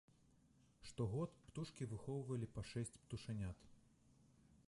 Штогод птушкі выхоўвалі па шэсць птушанят.